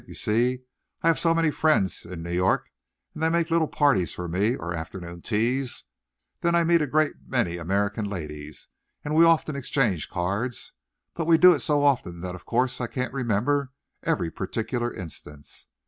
"You see I have so many friends in New York, and they make little parties for me, or afternoon teas. Then I meet a great many American ladies, and we often exchange cards. But we do it so often that of course I can't remember every particular instance.